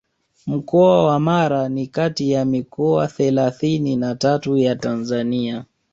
Mkoa wa Mara ni kati ya mikoa thelathini na tatu ya Tanzania